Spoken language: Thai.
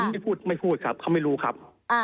ไม่พูดไม่พูดครับเขาไม่รู้ครับ